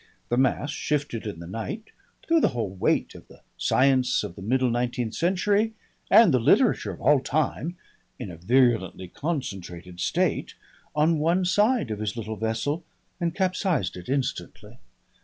The mass shifted in the night, threw the whole weight of the science of the middle nineteenth century and the literature of all time, in a virulently concentrated state, on one side of his little vessel and capsized it instantly....